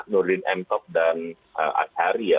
nurlin emtok dan asyari ya